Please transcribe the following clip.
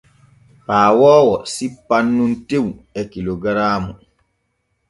Paawoowo sippan nun tew e kilogaraamu.